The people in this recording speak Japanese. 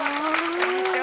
こんにちは